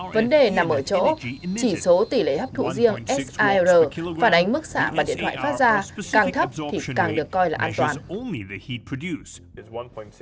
vấn đề nằm ở chỗ chỉ số tỷ lệ hấp thụ riêng sar phản ánh bức xạ mà điện thoại phát ra càng thấp thì càng được coi là an toàn